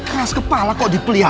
keras kepala kok dipelihara